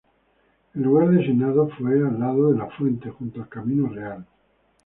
El lugar designado fue al lado de la fuente, junto al camino real.